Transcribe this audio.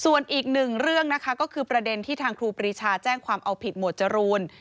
ส่วนอีก๑เรื่องก็คือประเด็นที่ครูพระชาติแจ้งความเอาผิดโหมดจรูล